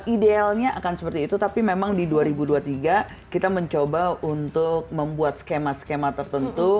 idealnya akan seperti itu tapi memang di dua ribu dua puluh tiga kita mencoba untuk membuat skema skema tertentu